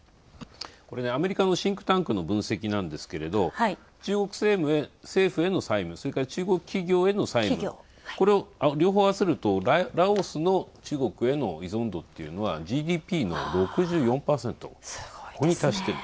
アメリカのシンクタンクの分析なんですけれど中国政府への債務、それから中国企業への債務、これを両方合わせると、ラオスの中国への依存度っていうのはＧＤＰの６４％に達してる。